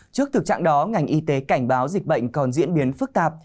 trước thực trạng đó ngành y tế cảnh báo dịch bệnh còn diễn biến phức tạp